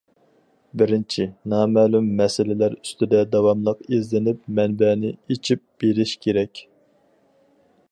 بىرىنچى، نامەلۇم مەسىلىلەر ئۈستىدە داۋاملىق ئىزدىنىپ، مەنبەنى ئېچىپ بېرىش كېرەك.